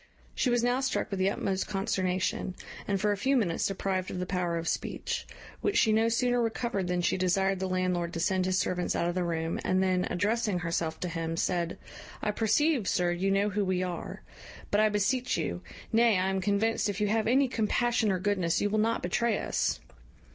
She was now struck with the utmost consternation, and for a few minutes deprived of the power of speech; which she no sooner recovered than she desired the landlord to send his servants out of the room, and then, addressing herself to him, said, "I perceive, sir, you know who we are; but I beseech you nay, I am convinced, if you have any compassion or goodness, you will not betray us."